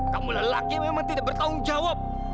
kamu lelaki memang tidak bertanggung jawab